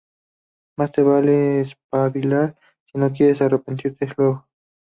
Más te vale espabilar si no quieres arrepentirte luego.